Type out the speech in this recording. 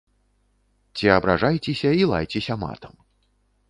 Ці абражайцеся і лайцеся матам.